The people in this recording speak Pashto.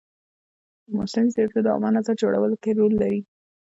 مصنوعي ځیرکتیا د عامه نظر جوړولو کې رول لري.